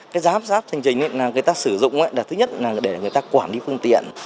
cái giám sát hành trình người ta sử dụng là thứ nhất là để người ta quản lý phương tiện